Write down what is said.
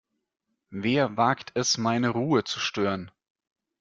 Wer wagt es, meine Ruhe zu stören?